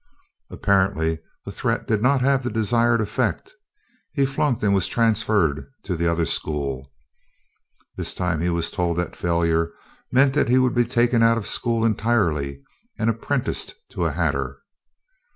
Apparently the threat did not have the desired effect. He flunked and was transferred to the other school. This time he was told that failure meant that he would be taken out of school entirely and apprenticed to a hatter.